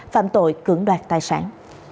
phạm tội cưỡng đoạt tài sản